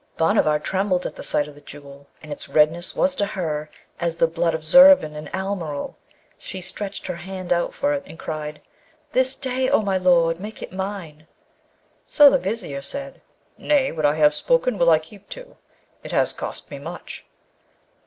Bhanavar trembled at the sight of the Jewel, and its redness was to her as the blood of Zurvan and Almeryl. She stretched her hand out for it and cried, 'This day, O my lord, make it mine.' So the Vizier said, 'Nay, what I have spoken will I keep to; it has cost me much.'